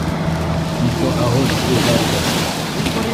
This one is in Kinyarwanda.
nk uko aho izuba rirasira